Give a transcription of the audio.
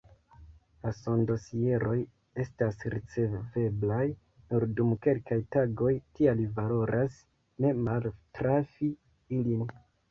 La sondosieroj estas riceveblaj nur dum kelkaj tagoj, tial valoras ne maltrafi ilin.